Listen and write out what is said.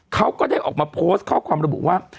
เขาก็ได้ออกมาโพสต์ข้อความระบุว่า